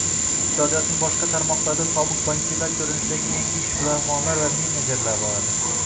Iqtisodiyotning boshqa tarmoqlarida sobiq bankirlar ko'rinishidagi yangi ishbilarmonlar va menejerlar bo'ladi